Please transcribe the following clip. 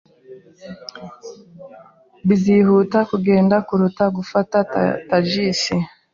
Bizihuta kugenda kuruta gufata tagisi